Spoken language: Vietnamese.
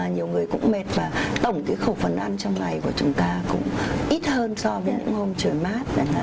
nhiều người cũng mệt và tổng khẩu phần ăn trong ngày của chúng ta cũng ít hơn so với những hôm trời mát